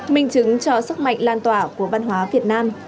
minh chứng cho sức mạnh lan tỏa của văn hóa việt nam